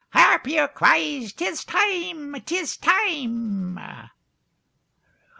Harpier cries:—'Tis time, 'tis time.